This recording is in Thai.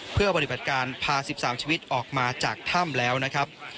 เพื่อปฏิบัติการพา๑๓ชีวิตออกมาจากถ้ำแล้วนะครับ